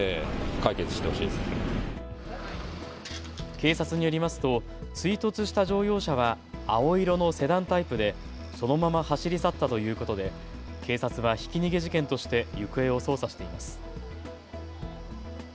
警察によりますと追突した乗用車は青色のセダンタイプでそのまま走り去ったということで警察はひき逃げ事件として行方を捜査しています。